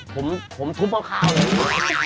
ผมผมทุบเปล่าคาวเลย